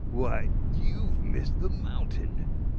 "Why, you have missed the mountain!"